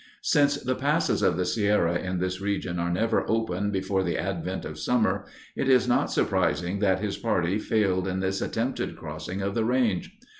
Since the passes of the Sierra in this region are never open before the advent of summer, it is not surprising that his party failed in this attempted crossing of the range.